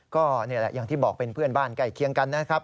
ก็นี่แหละอย่างที่บอกเป็นเพื่อนบ้านใกล้เคียงกันนะครับ